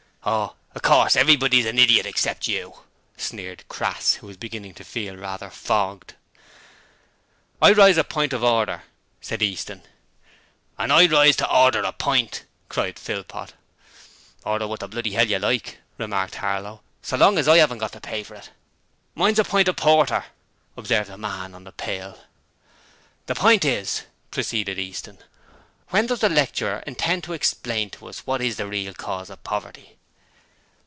'Oh, of course everybody's an idjit except you,' sneered Crass, who was beginning to feel rather fogged. 'I rise to a pint of order,' said Easton. 'And I rise to order a pint,' cried Philpot. 'Order what the bloody 'ell you like,' remarked Harlow, 'so long as I 'aven't got to pay for it.' 'Mine's a pint of porter,' observed the man on the pail. 'The pint is,' proceeded Easton, 'when does the lecturer intend to explain to us what is the real cause of poverty.'